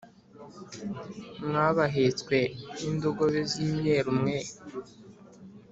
Mwa bahetswe n indogobe z imyeru mwe